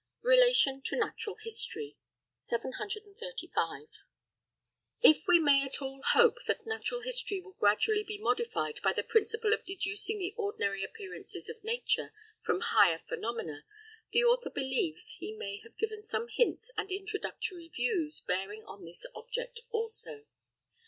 RELATION TO NATURAL HISTORY. 735. If we may at all hope that natural history will gradually be modified by the principle of deducing the ordinary appearances of nature from higher phenomena, the author believes he may have given some hints and introductory views bearing on this object also.